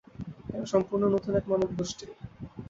এরা সম্পূর্ণ নতুন এক মানবগোষ্ঠী।